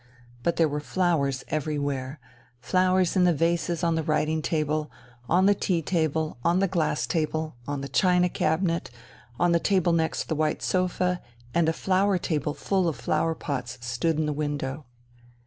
But there were flowers everywhere flowers in the vases on the writing table, on the tea table, on the glass table, on the china cabinet, on the table next the white sofa, and a flower table full of flower pots stood in the window.